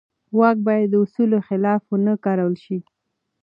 واک باید د اصولو خلاف ونه کارول شي.